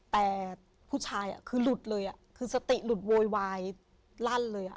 แต่ผู้ชายคือหลุดเลยคือสติหลุดโวยวายลั่นเลย